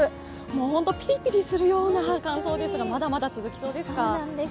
本当にぴりぴりするような乾燥ですが、まだまだ続きそうですか。